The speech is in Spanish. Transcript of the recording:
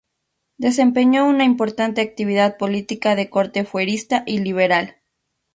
Desempeñó una importante actividad política de corte fuerista y liberal.